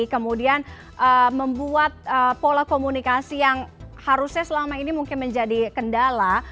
kemudian membuat pola komunikasi yang harusnya selama ini mungkin menjadi kendala